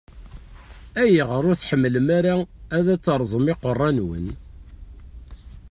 Ayɣer ur tḥemmlem ara ad teṛṛẓem iqeṛṛa-nwen?